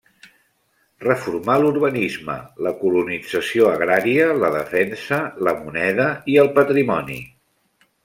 Reformà l'urbanisme, la colonització agrària, la defensa, la moneda i el patrimoni.